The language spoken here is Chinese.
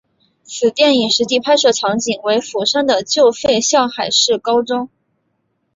此电影实际拍摄场景为釜山的旧废校海事高中。